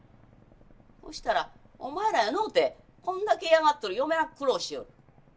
そしたらお前らやのうてこんだけ嫌がっとる嫁が苦労しよる。